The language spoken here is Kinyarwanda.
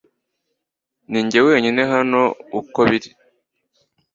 Ninjye wenyine hano uko biri